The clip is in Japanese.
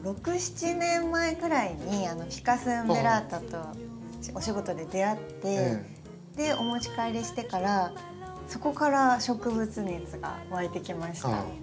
６７年前ぐらいにフィカス・ウンベラ―タとお仕事で出会ってお持ち帰りしてからそこから植物熱がわいてきました。